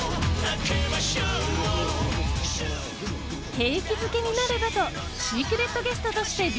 景気づけになればとシークレットゲストとしてＢ